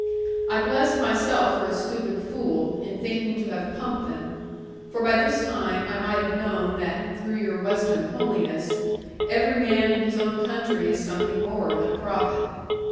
I blessed myself for a stupid fool, in thinking to have pumped them; for by this time I might have known that, through your Western homeliness, every man in his own country is something more than a prophet.